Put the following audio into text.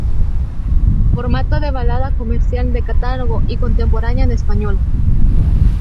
Formato de balada comercial de catálogo y contemporánea en español.